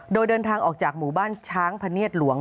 โดยเดินทางออกจากหมู่บ้านช้างพะเนียดหลวง